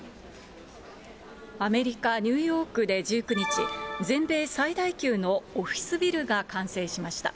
アメリカ・ニューヨークで１９日、全米最大級のオフィスビルが完成しました。